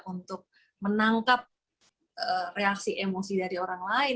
untuk menangkap reaksi emosi dari orang lain